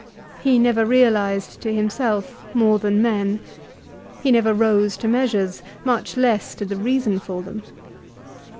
He never realised to himself more than men. He never rose to measures, much less to the reason for them.